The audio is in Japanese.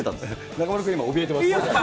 中丸君、今おびえてます。